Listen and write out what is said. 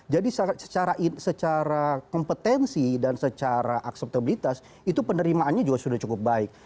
jadi secara kompetensi dan secara akseptabilitas itu penerimaannya juga sudah cukup baik